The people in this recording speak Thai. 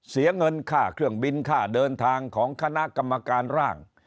เสียเงินค่าเครื่องบินค่าเดินทางของคณะกรรมการร่าง